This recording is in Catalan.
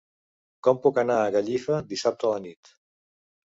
Com puc anar a Gallifa dissabte a la nit?